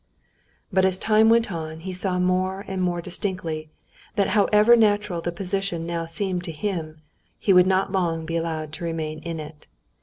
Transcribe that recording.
But as time went on, he saw more and more distinctly that however natural the position now seemed to him, he would not long be allowed to remain in it.